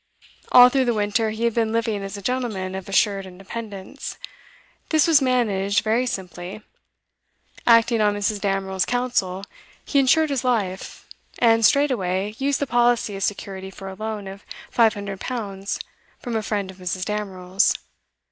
All through the winter he had been living as a gentleman of assured independence. This was managed very simply. Acting on Mrs. Damerel's counsel he insured his life, and straightaway used the policy as security for a loan of five hundred pounds from a friend of Mrs. Damerel's.